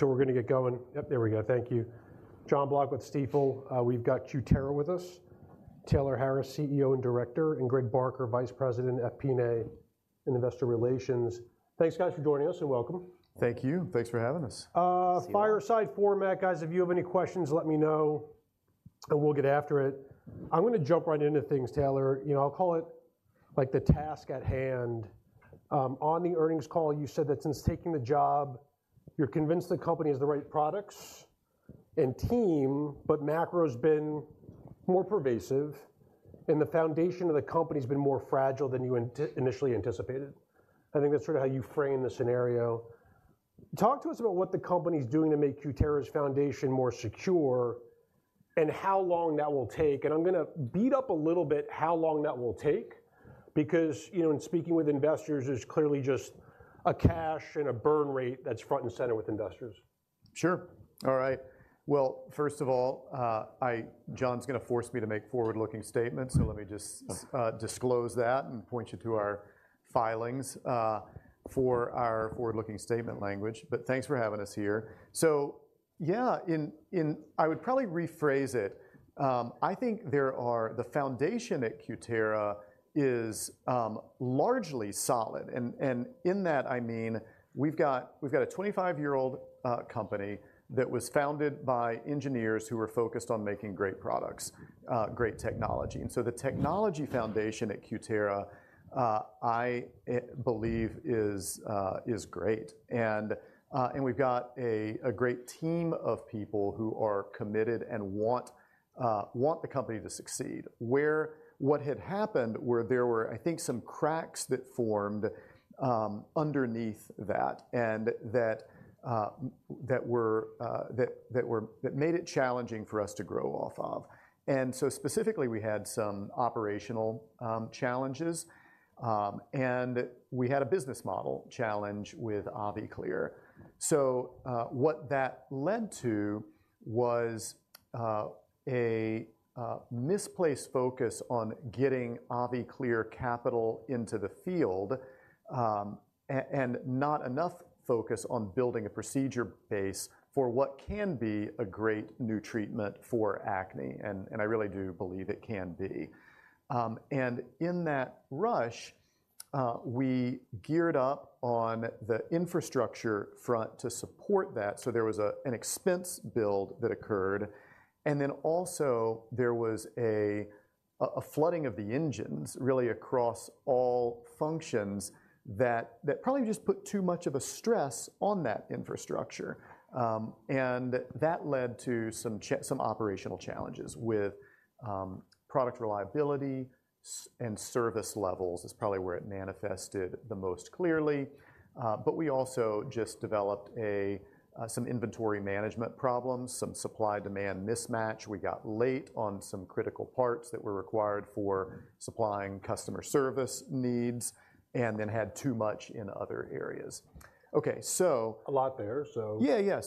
So we're gonna get going. Yep, there we go. Thank you. Jon Block with Stifel. We've got Cutera with us, Taylor Harris, CEO and director, and Greg Barker, Vice President of FP&A and Investor Relations. Thanks, guys, for joining us, and welcome. Thank you. Thanks for having us. Fireside Format, guys, if you have any questions, let me know, and we'll get after it. I'm gonna jump right into things, Taylor. You know, I'll call it, like, the task at hand. On the earnings call, you said that since taking the job, you're convinced the company has the right products and team, but macro's been more pervasive, and the foundation of the company's been more fragile than you anticipated initially. I think that's sort of how you framed the scenario. Talk to us about what the company's doing to make Cutera's foundation more secure, and how long that will take. I'm gonna beat up a little bit how long that will take, because, you know, in speaking with investors, there's clearly just a cash and a burn rate that's front and center with investors. Sure. All right. Well, first of all, Jon's gonna force me to make forward-looking statements, so let me just disclose that and point you to our filings, for our forward-looking statement language. But thanks for having us here. So yeah, I would probably rephrase it. I think the foundation at Cutera is largely solid, and in that, I mean, we've got a 25-year-old company that was founded by engineers who were focused on making great products, great technology. And so the technology foundation at Cutera, I believe, is great. And we've got a great team of people who are committed and want the company to succeed. What had happened was there were, I think, some cracks that formed underneath that, and that were that made it challenging for us to grow off of. So specifically, we had some operational challenges, and we had a business model challenge with AviClear. So, what that led to was a misplaced focus on getting AviClear capital into the field, and not enough focus on building a procedure base for what can be a great new treatment for acne, and I really do believe it can be. And in that rush, we geared up on the infrastructure front to support that, so there was an expense build that occurred, and then also there was a flooding of the engines, really across all functions, that probably just put too much of a stress on that infrastructure. And that led to some operational challenges with product reliability and service levels is probably where it manifested the most clearly. But we also just developed some inventory management problems, some supply-demand mismatch. We got late on some critical parts that were required for supplying customer service needs and then had too much in other areas. Okay, so- A lot there, so. Yeah, yeah.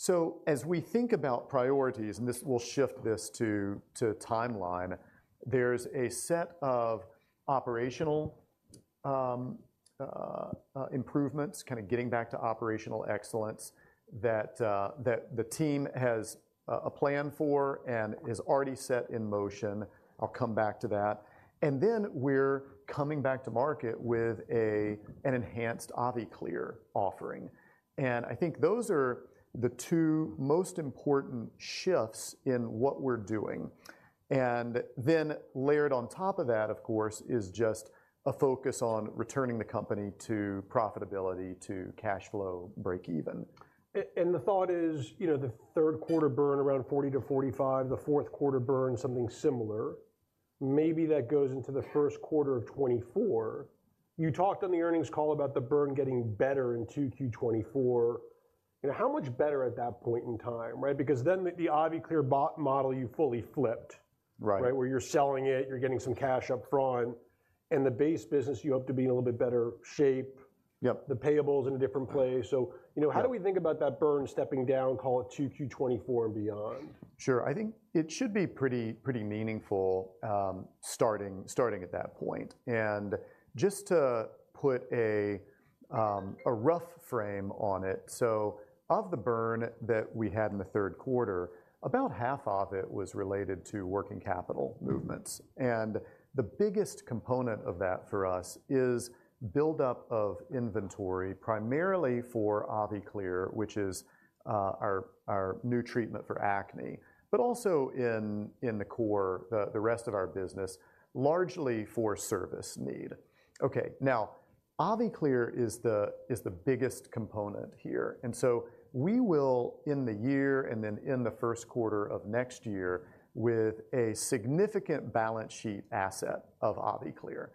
So as we think about priorities, we'll shift this to timeline, there's a set of operational improvements, kind of getting back to operational excellence, that the team has a plan for and is already set in motion. I'll come back to that. And then we're coming back to market with an enhanced AviClear offering, and I think those are the two most important shifts in what we're doing. And then layered on top of that, of course, is just a focus on returning the company to profitability, to cash flow, breakeven. And the thought is, you know, the third quarter burn around $40-$45, the fourth quarter burn, something similar. Maybe that goes into the first quarter of 2024. You talked on the earnings call about the burn getting better in 2Q 2024. You know, how much better at that point in time, right? Because then the, the AviClear business model, you fully flipped. Right. Right? Where you're selling it, you're getting some cash up front, and the base business, you hope to be in a little bit better shape. Yep. The payables in a different place. So- Yeah You know, how do we think about that burn stepping down, call it 2Q-2024 and beyond? Sure. I think it should be pretty, pretty meaningful, starting at that point. And just to put a rough frame on it, so of the burn that we had in the third quarter, about half of it was related to working capital movements, and the biggest component of that for us is buildup of inventory, primarily for AviClear, which is our new treatment for acne, but also in the core, the rest of our business, largely for service need. Okay, now, AviClear is the biggest component here, and so we will, in the year and then in the first quarter of next year, with a significant balance sheet asset of AviClear.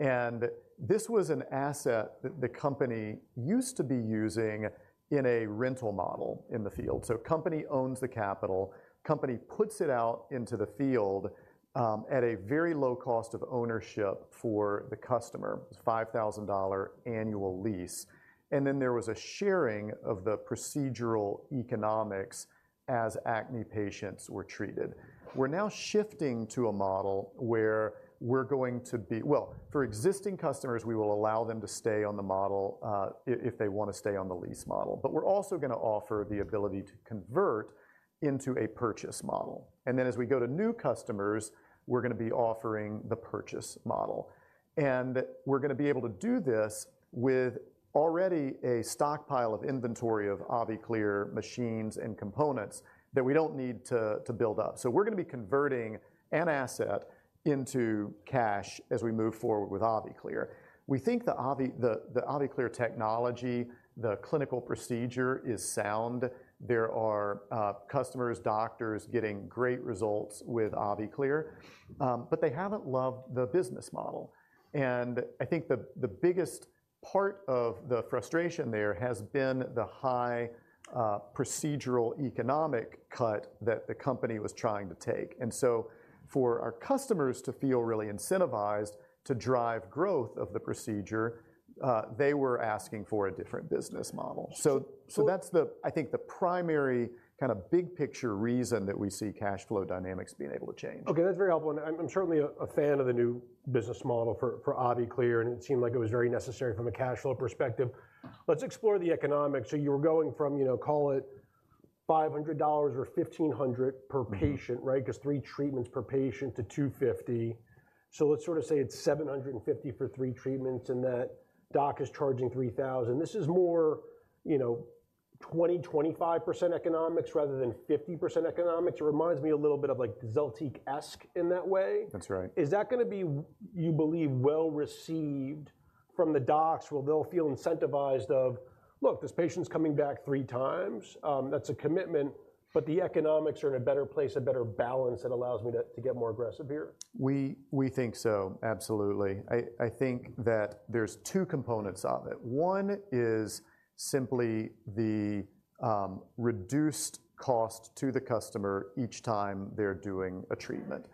And this was an asset that the company used to be using in a rental model in the field. So company owns the capital, company puts it out into the field at a very low cost of ownership for the customer. It's a $5,000 annual lease. And then there was a sharing of the procedural economics as acne patients were treated. We're now shifting to a model where we're going to be... Well, for existing customers, we will allow them to stay on the model, if they wanna stay on the lease model. But we're also gonna offer the ability to convert into a purchase model, and then as we go to new customers, we're gonna be offering the purchase model. And we're gonna be able to do this with already a stockpile of inventory of AviClear machines and components that we don't need to build up. So we're gonna be converting an asset into cash as we move forward with AviClear. We think the AviClear technology, the clinical procedure, is sound. There are customers, doctors, getting great results with AviClear, but they haven't loved the business model. And I think the biggest part of the frustration there has been the high procedural economic cut that the company was trying to take. And so for our customers to feel really incentivized to drive growth of the procedure, they were asking for a different business model. So that's the, I think, the primary kind of big picture reason that we see cash flow dynamics being able to change. Okay, that's very helpful, and I'm certainly a fan of the new business model for AviClear, and it seemed like it was very necessary from a cash flow perspective. Let's explore the economics. So you were going from, you know, call it $500 or $1,500 per patient- Mm-hmm Right? 'Cause three treatments per patient to $250. So let's sort of say it's $750 for three treatments, and that doc is charging $3,000. This is more, you know, 20%, 25% economics rather than 50% economics. It reminds me a little bit of like Zeltiq-esque in that way. That's right. Is that gonna be, you believe, well-received from the docs? Will they feel incentivized of, "Look, this patient's coming back three times. That's a commitment, but the economics are in a better place, a better balance that allows me to get more aggressive here? We think so, absolutely. I think that there's two components of it. One is simply the reduced cost to the customer each time they're doing a treatment.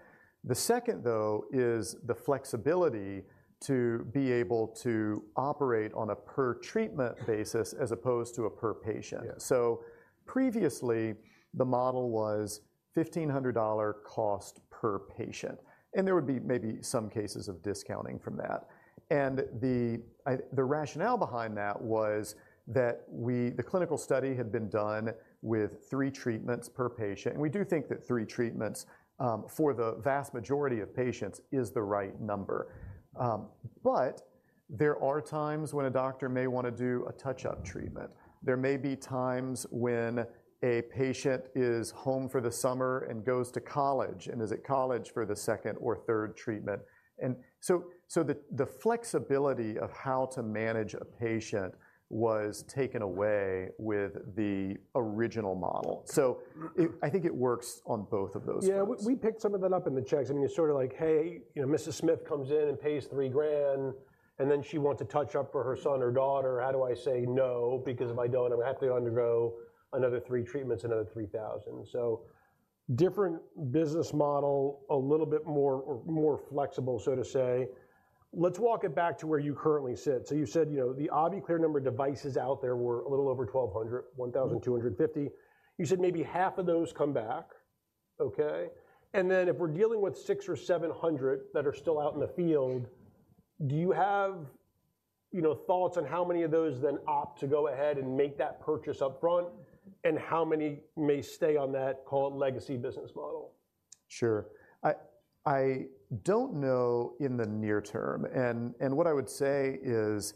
The second, though, is the flexibility to be able to operate on a per-treatment basis as opposed to a per patient. Yeah. So previously, the model was $1,500 cost per patient, and there would be maybe some cases of discounting from that. And the rationale behind that was that the clinical study had been done with three treatments per patient, and we do think that three treatments for the vast majority of patients is the right number. But there are times when a doctor may wanna do a touch-up treatment. There may be times when a patient is home for the summer and goes to college, and is at college for the second or third treatment. And so, the flexibility of how to manage a patient was taken away with the original model. Mm. I think it works on both of those things. Yeah, we picked some of that up in the checks. I mean, you're sort of like, "Hey, you know, Mrs. Smith comes in and pays $3,000, and then she wants a touch-up for her son or daughter. How do I say no? Because if I don't, I'm have to undergo another three treatments, another $3,000." So different business model, a little bit more flexible, so to say. Let's walk it back to where you currently sit. So you said, you know, the AviClear number of devices out there were a little over 1,200, 1,250. Mm-hmm. You said maybe half of those come back. Okay, and then if we're dealing with 600 or 700 that are still out in the field, do you have, you know, thoughts on how many of those then opt to go ahead and make that purchase upfront? And how many may stay on that call legacy business model? Sure. I don't know in the near term, and what I would say is,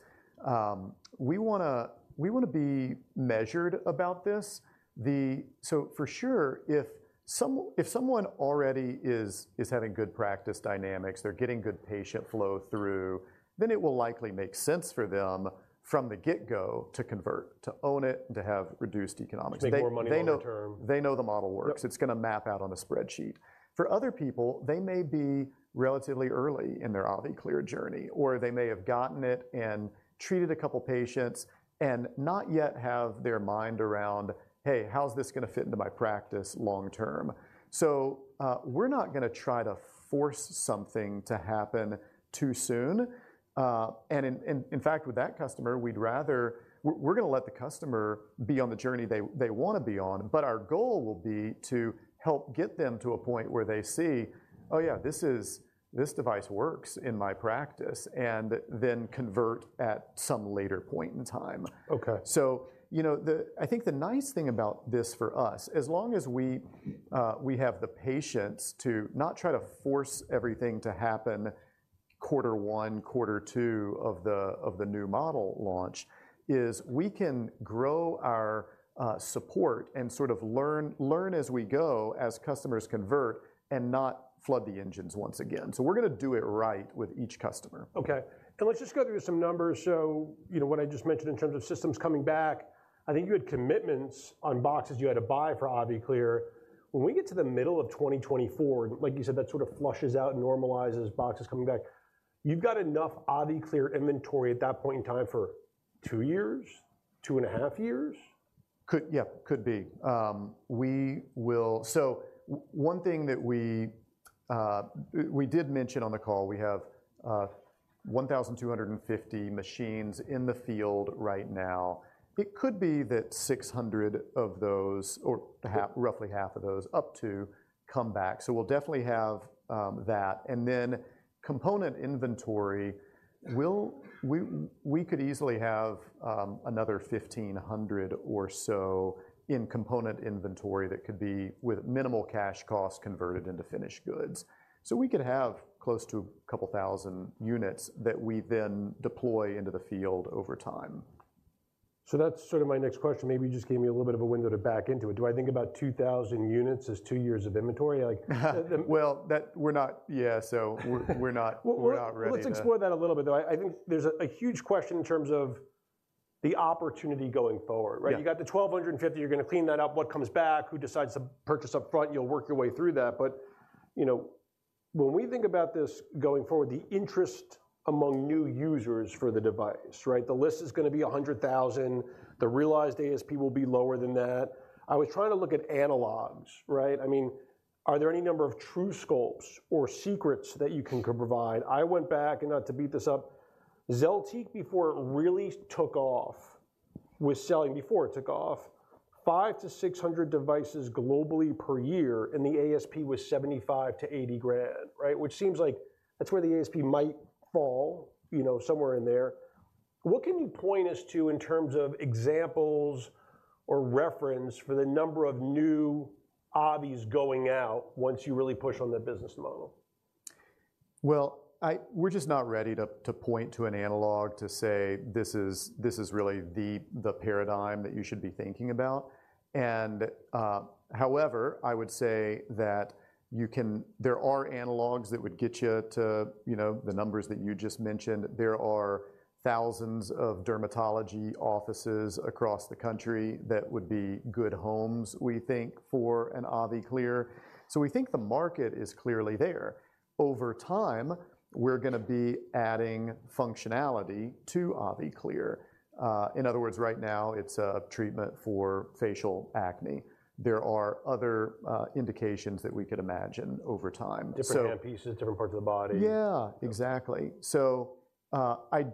we wanna be measured about this. So for sure, if someone already is having good practice dynamics, they're getting good patient flow through, then it will likely make sense for them from the get-go to convert, to own it, and to have reduced economics. To make more money long term. They know the model works. Yep. It's gonna map out on a spreadsheet. For other people, they may be relatively early in their AviClear journey, or they may have gotten it and treated a couple patients and not yet have their mind around, "Hey, how's this gonna fit into my practice long term?" So, we're not gonna try to force something to happen too soon. And in fact, with that customer, we'd rather we're gonna let the customer be on the journey they wanna be on, but our goal will be to help get them to a point where they see, "Oh yeah, this is this device works in my practice," and then convert at some later point in time. Okay. So, you know, I think the nice thing about this for us, as long as we have the patience to not try to force everything to happen quarter one, quarter two of the new model launch, is we can grow our support and sort of learn, learn as we go, as customers convert, and not flood the engines once again. So we're gonna do it right with each customer. Okay, and let's just go through some numbers. So you know, what I just mentioned in terms of systems coming back, I think you had commitments on boxes you had to buy for AviClear. When we get to the middle of 2024, like you said, that sort of flushes out and normalizes boxes coming back. You've got enough AviClear inventory at that point in time for two years? two and a half years? Could... Yeah, could be. We will, so one thing that we, we did mention on the call, we have 1,250 machines in the field right now. It could be that 600 of those, or half, roughly half of those, up to, come back. So we'll definitely have that. And then component inventory, we'll, we could easily have another 1,500 or so in component inventory that could be, with minimal cash costs, converted into finished goods. So we could have close to a couple thousand units that we then deploy into the field over time. So that's sort of my next question. Maybe you just gave me a little bit of a window to back into it. Do I think about 2,000 units as two years of inventory? Like- Well, we're not ready to— Well, let's explore that a little bit, though. I think there's a huge question in terms of the opportunity going forward, right? Yeah. You got the $1,250, you're gonna clean that up. What comes back? Who decides to purchase upfront? You'll work your way through that. But, you know, when we think about this going forward, the interest among new users for the device, right? The list is gonna be $100,000. The realized ASP will be lower than that. I was trying to look at analogs, right? I mean, are there any number of truSculpts or Secrets that you can, can provide? I went back, and not to beat this up, Zeltiq, before it really took off, was selling, before it took off, 500-600 devices globally per year, and the ASP was $75,000-$80,000, right? Which seems like that's where the ASP might fall, you know, somewhere in there. What can you point us to in terms of examples or reference for the number of new Avi's going out once you really push on the business model? Well, we're just not ready to point to an analog to say, this is really the paradigm that you should be thinking about. However, I would say that there are analogs that would get you to, you know, the numbers that you just mentioned. There are thousands of dermatology offices across the country that would be good homes, we think, for an AviClear. So we think the market is clearly there. Over time, we're gonna be adding functionality to AviClear. In other words, right now, it's a treatment for facial acne. There are other indications that we could imagine over time. So Different hand pieces, different parts of the body. Yeah, exactly. So, I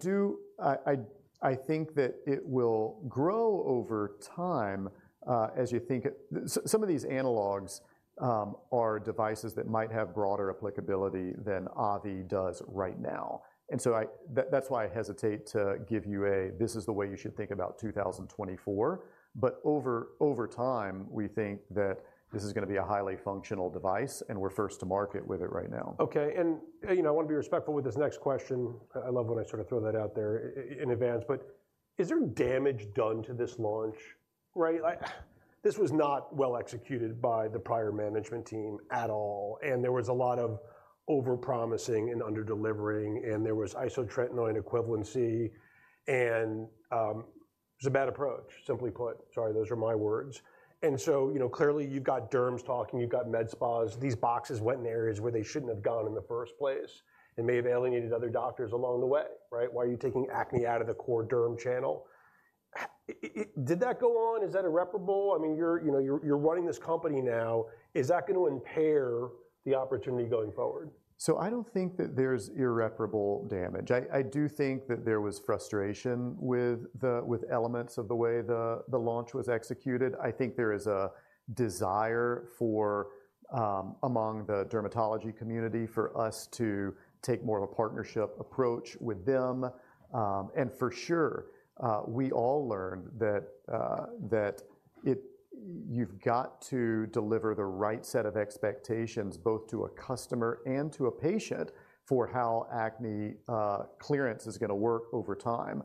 think that it will grow over time, as you think, some of these analogs are devices that might have broader applicability than Avi does right now. And so that's why I hesitate to give you a, "This is the way you should think about 2024." But over time, we think that this is gonna be a highly functional device, and we're first to market with it right now. Okay, and, you know, I wanna be respectful with this next question. I love when I sort of throw that out there in advance, but is there damage done to this launch, right? This was not well executed by the prior management team at all, and there was a lot of overpromising and under-delivering, and there was isotretinoin equivalency, and, it was a bad approach, simply put. Sorry, those are my words. And so, you know, clearly you've got derms talking, you've got med spas. These boxes went in areas where they shouldn't have gone in the first place and may have alienated other doctors along the way, right? Why are you taking acne out of the core derm channel? Did that go on? Is that irreparable? I mean, you're, you know, running this company now. Is that going to impair the opportunity going forward? So I don't think that there's irreparable damage. I do think that there was frustration with elements of the way the launch was executed. I think there is a desire for among the dermatology community for us to take more of a partnership approach with them. And for sure we all learned that you've got to deliver the right set of expectations, both to a customer and to a patient, for how acne clearance is gonna work over time.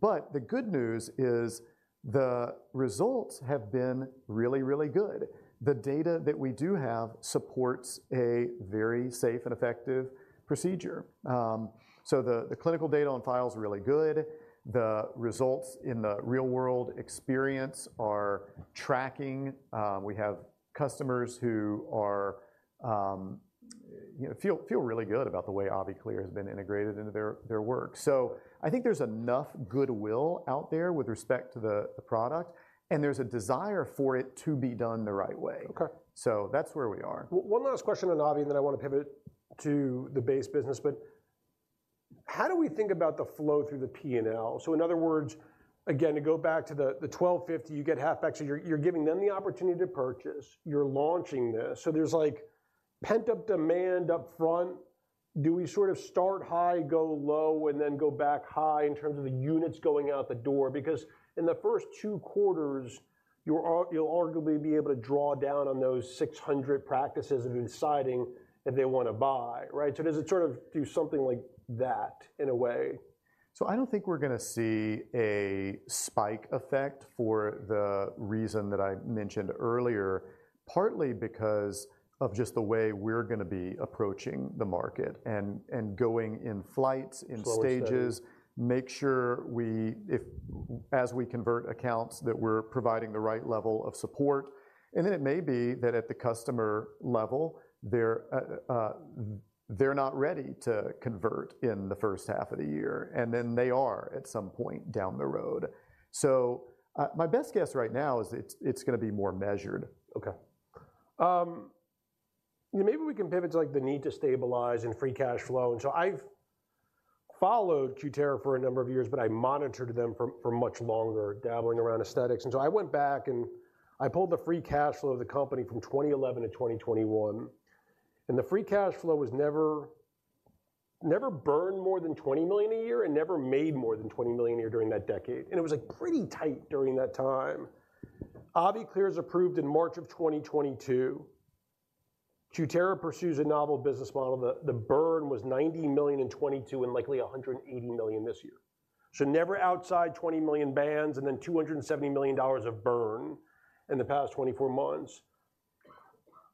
But the good news is the results have been really, really good. The data that we do have supports a very safe and effective procedure. So the clinical data on file is really good. The results in the real-world experience are tracking. We have customers who are, you know, feel really good about the way AviClear has been integrated into their work. So I think there's enough goodwill out there with respect to the product, and there's a desire for it to be done the right way. Okay. So that's where we are. One last question on Avi, and then I wanna pivot to the base business. But how do we think about the flow through the P&L? So in other words, again, to go back to the $1,250, you get half back, so you're giving them the opportunity to purchase. You're launching this. So there's, like, pent-up demand upfront. Do we sort of start high, go low, and then go back high in terms of the units going out the door? Because in the first two quarters, you're arguably be able to draw down on those 600 practices and deciding if they wanna buy, right? So does it sort of do something like that in a way? So I don't think we're gonna see a spike effect for the reason that I mentioned earlier, partly because of just the way we're gonna be approaching the market and going in flights, in stages- Slower setting. Make sure we... if, as we convert accounts, that we're providing the right level of support. And then it may be that at the customer level, they're not ready to convert in the first half of the year, and then they are at some point down the road. So, my best guess right now is it's gonna be more measured. Okay. Maybe we can pivot to, like, the need to stabilize and free cash flow. And so I've followed Cutera for a number of years, but I monitored them for much longer, dabbling around aesthetics. And so I went back, and I pulled the free cash flow of the company from 2011 to 2021, and the free cash flow was never burned more than $20 million a year and never made more than $20 million a year during that decade, and it was, like, pretty tight during that time. AviClear is approved in March 2022. Cutera pursues a novel business model. The burn was $90 million in 2022 and likely $180 million this year. So never outside $20 million bands and then $270 million of burn in the past 24 months.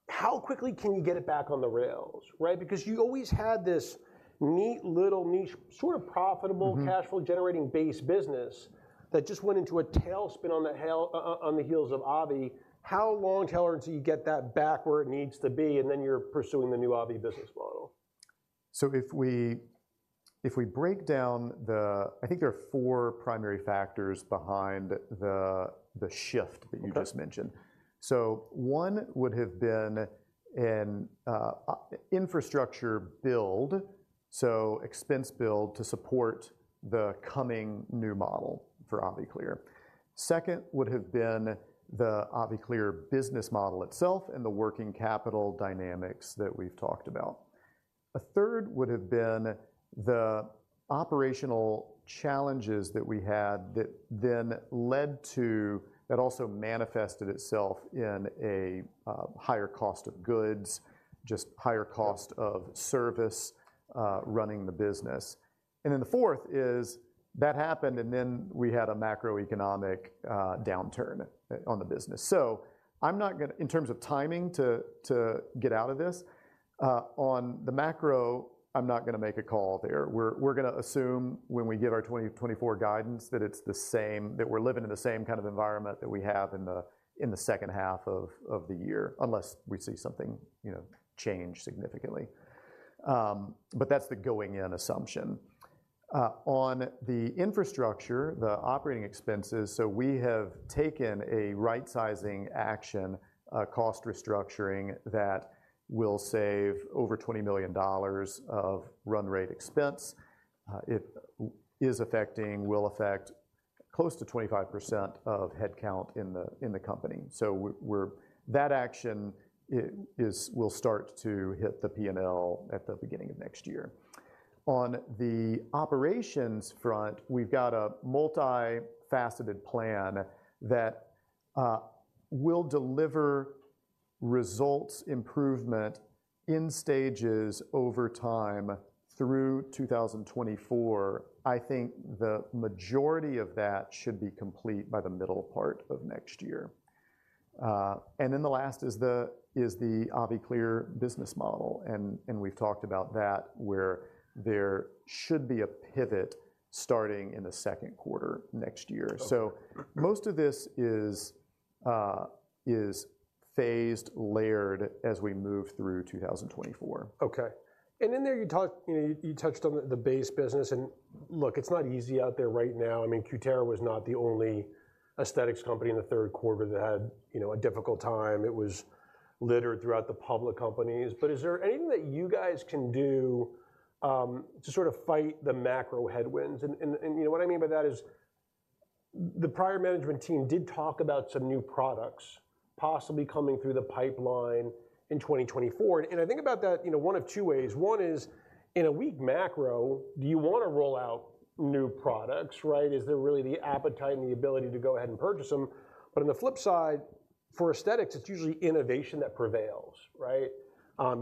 How quickly can you get it back on the rails, right? Because you always had this neat little niche, sort of profitable- Mm-hmm. flow generating base business that just went into a tailspin on the heels of Avi. How long until you get that back where it needs to be, and then you're pursuing the new Avi business model? So if we break down the-I think there are four primary factors behind the shift- Okay. -that you just mentioned. So one would have been an infrastructure build, so expense build to support the coming new model for AviClear. Second would have been the AviClear business model itself and the working capital dynamics that we've talked about. A third would have been the operational challenges that we had that then led to... That also manifested itself in a higher cost of goods, just higher cost of service, running the business. And then the fourth is, that happened, and then we had a macroeconomic downturn on the business. So I'm not gonna-In terms of timing to get out of this, on the macro, I'm not gonna make a call there. We're gonna assume, when we give our 2024 guidance, that it's the same, that we're living in the same kind of environment that we have in the second half of the year, unless we see something, you know, change significantly. But that's the going in assumption. On the infrastructure, the operating expenses, so we have taken a right-sizing action, a cost restructuring that will save over $20 million of run rate expense. It will affect close to 25% of headcount in the company. That action will start to hit the P&L at the beginning of next year. On the operations front, we've got a multifaceted plan that will deliver results, improvement in stages over time through 2024. I think the majority of that should be complete by the middle part of next year. And then the last is the AviClear business model, and we've talked about that, where there should be a pivot starting in the second quarter next year. Okay. So most of this is phased, layered, as we move through 2024. Okay. And in there, you talked, you know, you touched on the base business, and look, it's not easy out there right now. I mean, Cutera was not the only aesthetics company in the third quarter that had, you know, a difficult time. It was littered throughout the public companies. But is there anything that you guys can do to sort of fight the macro headwinds? And you know, what I mean by that is, the prior management team did talk about some new products possibly coming through the pipeline in 2024, and I think about that, you know, one of two ways. One is, in a weak macro, do you wanna roll out new products, right? Is there really the appetite and the ability to go ahead and purchase them? But on the flip side, for aesthetics, it's usually innovation that prevails, right?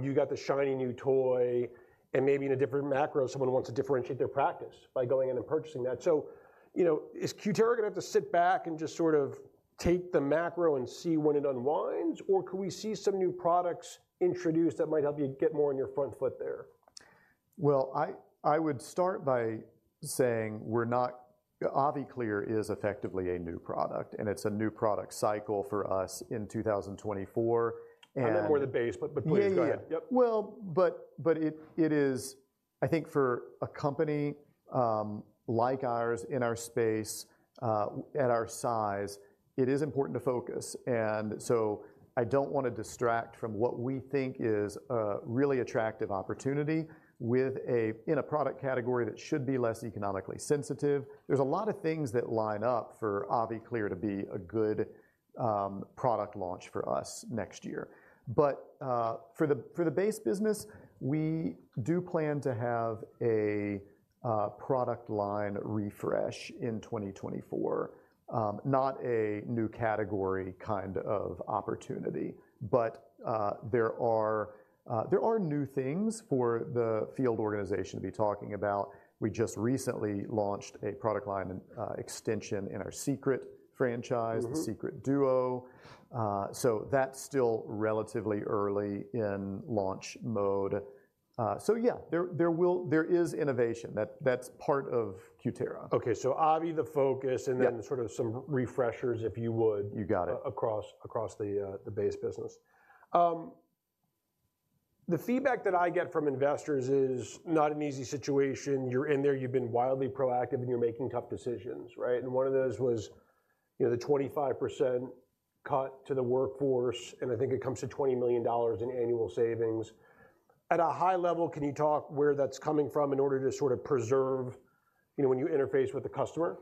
You got the shiny new toy, and maybe in a different macro, someone wants to differentiate their practice by going in and purchasing that. So, you know, is Cutera gonna have to sit back and just sort of take the macro and see when it unwinds, or could we see some new products introduced that might help you get more on your front foot there? Well, I would start by saying we're not... AviClear is effectively a new product, and it's a new product cycle for us in 2024, and- I know more the base, but please go ahead. Yeah, yeah. Yep. Well, but it is... I think for a company like ours in our space, at our size, it is important to focus. And so I don't wanna distract from what we think is a really attractive opportunity with a, in a product category that should be less economically sensitive. There's a lot of things that line up for AviClear to be a good, product launch for us next year. But, for the base business, we do plan to have a product line refresh in 2024. Not a new category kind of opportunity, but, there are new things for the field organization to be talking about. We just recently launched a product line and extension in our Secret franchise- Mm-hmm. -the Secret DUO. So that's still relatively early in launch mode. So yeah, there is innovation. That's part of Cutera. Okay, so Avi, the focus- Yeah... and then sort of some refreshers, if you would- You got it.... across the base business. The feedback that I get from investors is not an easy situation. You're in there, you've been wildly proactive, and you're making tough decisions, right? And one of those was, you know, the 25% cut to the workforce, and I think it comes to $20 million in annual savings. At a high level, can you talk where that's coming from in order to sort of preserve, you know, when you interface with the customer?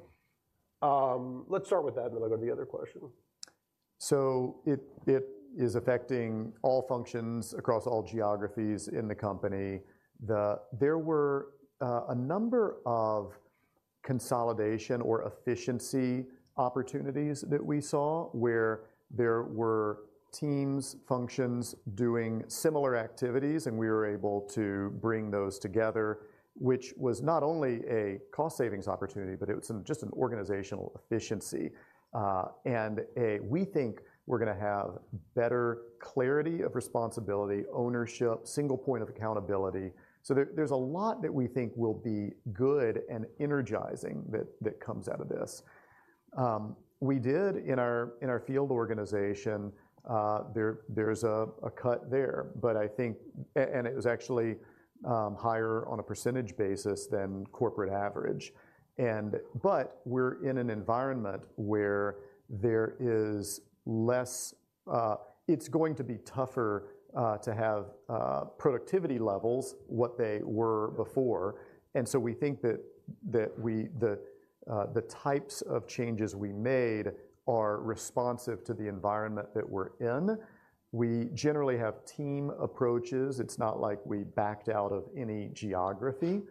Let's start with that, and then I'll go to the other question. So it is affecting all functions across all geographies in the company. There were a number of consolidation or efficiency opportunities that we saw, where there were teams, functions, doing similar activities, and we were able to bring those together, which was not only a cost savings opportunity, but it was just an organizational efficiency. We think we're gonna have better clarity of responsibility, ownership, single point of accountability. So there's a lot that we think will be good and energizing that comes out of this. We did in our field organization, there's a cut there, but I think, and it was actually higher on a percentage basis than corporate average. But we're in an environment where there is less. It's going to be tougher to have productivity levels what they were before, and so we think that the types of changes we made are responsive to the environment that we're in. We generally have team approaches. It's not like we backed out of any geography.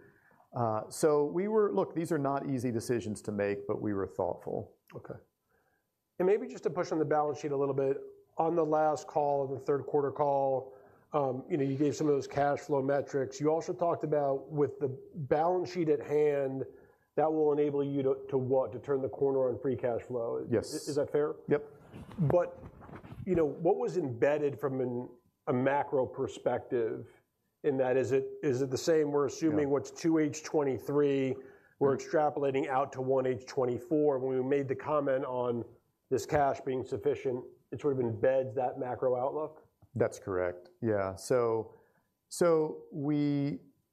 So we were. Look, these are not easy decisions to make, but we were thoughtful. Okay. Maybe just to push on the balance sheet a little bit. On the last call, the third quarter call, you know, you gave some of those cash flow metrics. You also talked about with the balance sheet at hand, that will enable you to what? To turn the corner on free cash flow. Yes. Is that fair? Yep. But, you know, what was embedded from a macro perspective in that? Is it the same- Yeah... we're assuming what's 2H 2023, we're extrapolating out to 1H 2024 when we made the comment on this cash being sufficient, it sort of embeds that macro outlook? That's correct. Yeah. So,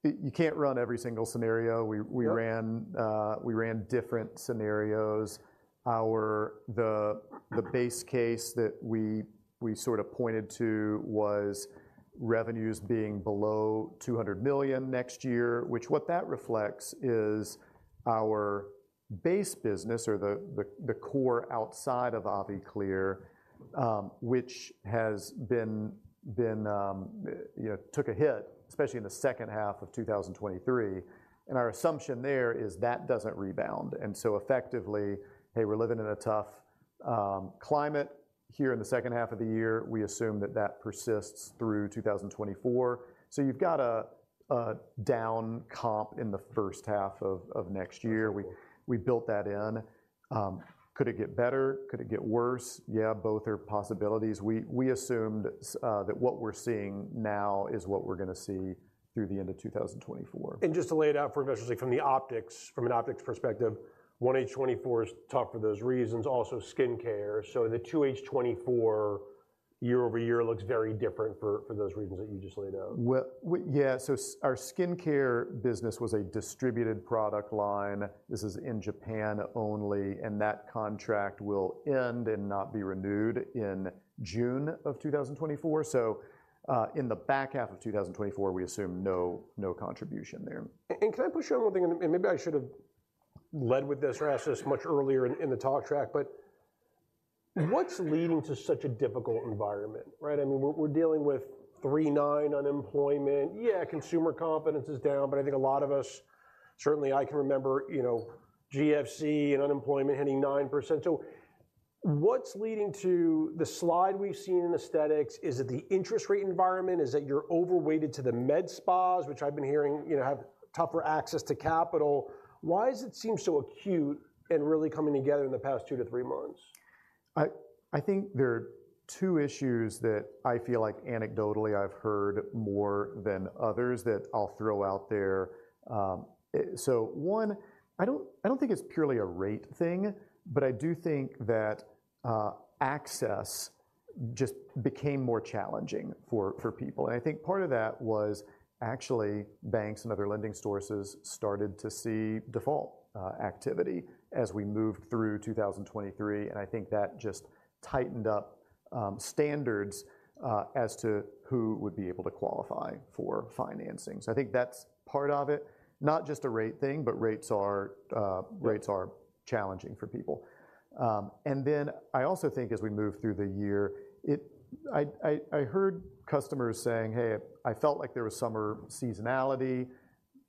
you can't run every single scenario. Yep. We ran different scenarios. Our base case that we sort of pointed to was revenues being below $200 million next year, which that reflects is our base business or the core outside of AviClear, which has been you know took a hit, especially in the second half of 2023, and our assumption there is that doesn't rebound. And so effectively, hey, we're living in a tough climate here in the second half of the year. We assume that that persists through 2024. So you've got a down comp in the first half of next year. Sure. We, we built that in. Could it get better? Could it get worse? Yeah, both are possibilities. We, we assumed that what we're seeing now is what we're gonna see through the end of 2024. Just to lay it out for investors, like from the optics, from an optics perspective, 1H 2024 is tough for those reasons, also skincare. So the 2H 2024 year-over-year looks very different for those reasons that you just laid out. Well, yeah, so our skincare business was a distributed product line. This is in Japan only, and that contract will end and not be renewed in June of 2024. So, in the back half of 2024, we assume no contribution there. Can I push on one thing? And maybe I should have led with this or asked this much earlier in the talk track, but what's leading to such a difficult environment, right? I mean, we're dealing with 3.9% unemployment. Yeah, consumer confidence is down, but I think a lot of us, certainly I can remember, you know, GFC and unemployment hitting 9%. So what's leading to the slide we've seen in aesthetics? Is it the interest rate environment? Is it you're overweighted to the med spas, which I've been hearing, you know, have tougher access to capital? Why does it seem so acute and really coming together in the past two to three months? I think there are two issues that I feel like anecdotally, I've heard more than others, that I'll throw out there. So one, I don't think it's purely a rate thing, but I do think that access just became more challenging for people. And I think part of that was actually banks and other lending sources started to see default activity as we moved through 2023, and I think that just tightened up standards as to who would be able to qualify for financing. So I think that's part of it. Not just a rate thing, but rates are- Yeah... rates are challenging for people. And then I also think as we move through the year, I heard customers saying, "Hey, I felt like there was summer seasonality,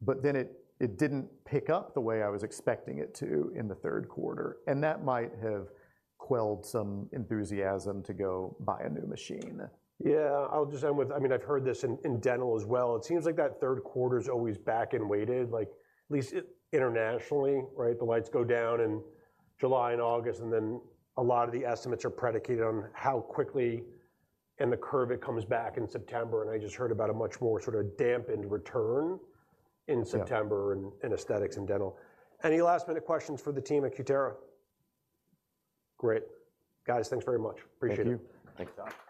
but then it didn't pick up the way I was expecting it to in the third quarter." And that might have quelled some enthusiasm to go buy a new machine. Yeah, I'll just end with... I mean, I've heard this in dental as well. It seems like that third quarter's always back-end weighted, like, at least internationally, right? The lights go down in July and August, and then a lot of the estimates are predicated on how quickly in the curve it comes back in September, and I just heard about a much more sort of dampened return- Yeah... in September in aesthetics and dental. Any last-minute questions for the team at Cutera? Great. Guys, thanks very much. Appreciate it. Thank you. Thanks, Todd.